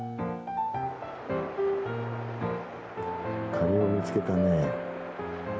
カニを見つけたね。